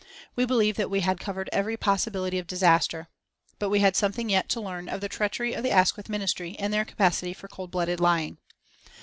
We believed that we had covered every possibility of disaster. But we had something yet to learn of the treachery of the Asquith Ministry and their capacity for cold blooded lying.